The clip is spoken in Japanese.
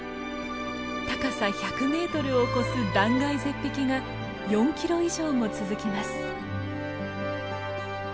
高さ１００メートルを超す断崖絶壁が４キロ以上も続きます。